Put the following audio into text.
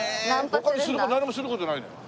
他にする事なんにもする事ないのよ。